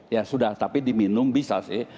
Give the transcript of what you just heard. ya sudah tapi diminum bisa sih